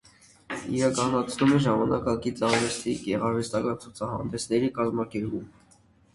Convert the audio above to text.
Իրականացնում է ժամանակակից արվեստի գեղարվեստական ցուցահանդեսների կազմակերպում։